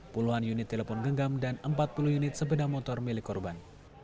puluhan unit telepon genggam dan empat puluh unit sepeda motor milik korban